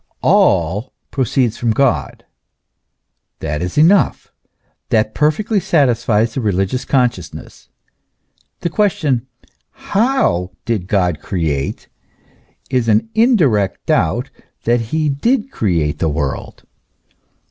All proceeds from God : that is enough, that perfectly satisfies the religious consciousness. The question, how did God create ? is an indirect doubt that he did create the world.